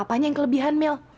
apanya yang kelebihan mil